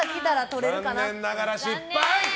残念ながら失敗！